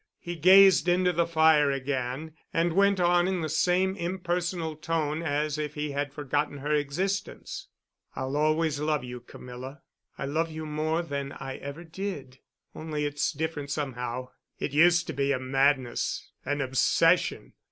He gazed into the fire again and went on in the same impersonal tone as if he had forgotten her existence. "I'll always love you, Camilla.... I love you more now than I ever did—only it's different somehow.... It used to be a madness—an obsession....